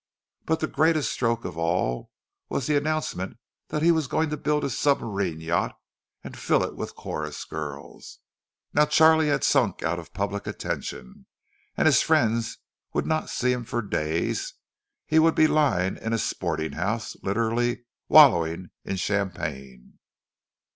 But the greatest stroke of all was the announcement that he was going to build a submarine yacht and fill it with chorus girls!—Now Charlie had sunk out of public attention, and his friends would not see him for days; he would be lying in a "sporting house" literally wallowing in champagne.